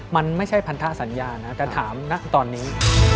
มันไม่ใช่พันธสัญญานะแต่ถามนะตอนนี้